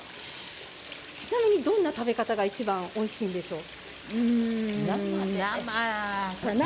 ちなみにどんな食べ方がいちばんおいしいでしょうか？